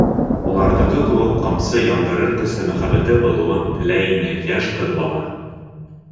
Уларҙыҡы кеүек ҡамсы яндырыр көслө мөхәббәте булыуын теләй ине йәш ҡыҙ бала.